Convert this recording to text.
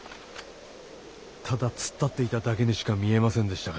ただ突っ立っていただけにしか見えませんでしたが。